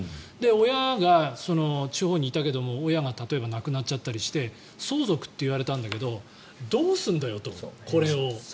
親が地方にいたけど親が例えば亡くなっちゃったりして相続といわれたんだけどどうすんだよと、これを。